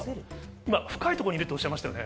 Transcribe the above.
深いところにいるとおっしゃいましたね。